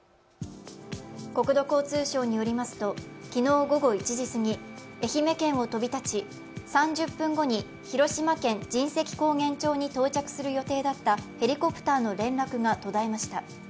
国土交通省によりますと、昨日午後１時過ぎ、愛媛県を飛び立ち、３０分後に広島県神石高原町に到着する予定だったヘリコプターの連絡が途絶えました。